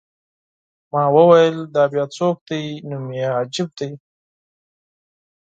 ما وویل: دا بیا څوک دی؟ نوم یې عجیب دی.